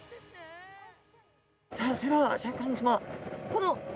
さあそれではシャーク香音さまどうぞ。